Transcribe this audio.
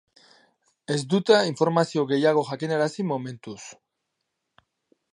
Ez dute informazio gehiago jakinarazi momentuz.